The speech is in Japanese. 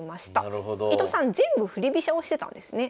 伊藤さん全部振り飛車をしてたんですね。